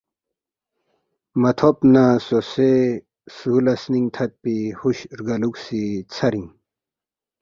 متھوب نہ سوسے سولا سنینگ تھدپی ہُش رگالوکھسی ژھرینگ